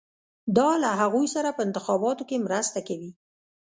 دا له هغوی سره په انتخاباتو کې مرسته کوي.